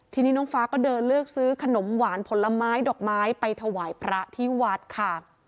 ทีนี้น้องฟ้าก็เดินเลือกซื้อขนมหวานผลไม้ดอกไม้ไปถวายพระที่วัดค่ะ